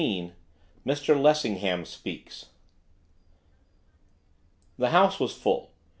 MR LESSINGHAM SPEAKS The House was full.